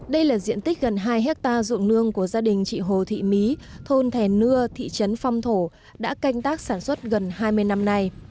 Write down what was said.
đây là diện tích gần hai hectare ruộng nương của gia đình chị hồ thị mí thôn thè nưa thị trấn phong thổ đã canh tác sản xuất gần hai mươi năm nay